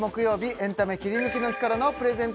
エンタメキリヌキの日からのプレゼント